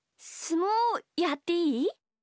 すもうやっていい？